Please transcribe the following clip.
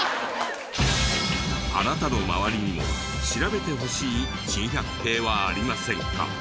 あなたの周りにも調べてほしい珍百景はありませんか？